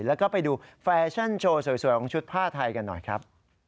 แล้วก็ไปดูแฟชั่นโชว์สวยของชุดผ้าไทยกันหน่อยครับ